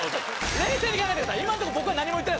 冷静に考えてください